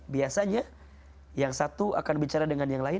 biasanya yang satu akan bicara dengan yang lain